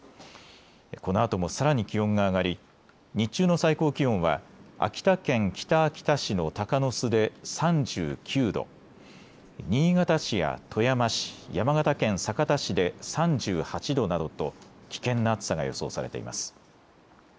このあともさらに気温が上がり日中の最高気温は秋田県北秋田市の鷹巣で３９度、新潟市や富山市、山形県酒田市で３８度などと危険な暑さが予想されています。